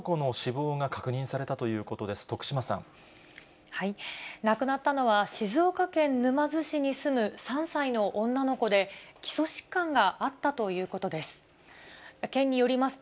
亡くなったのは、静岡県沼津市に住む３歳の女の子で、基礎疾患があったということです。